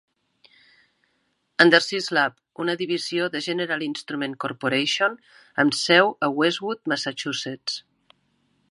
Underseas Lab, una divisió de General Instrument Corporation, amb seu a Westwood (Massachusetts).